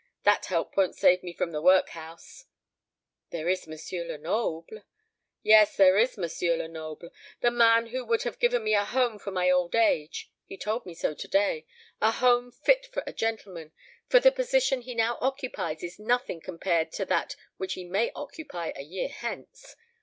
That help won't save me from the workhouse." "There is M. Lenoble." "Yes, there is M. Lenoble; the man who would have given me a home for my old age: he told me so to day a home fit for a gentleman for the position he now occupies is nothing compared to that which he may occupy a year hence.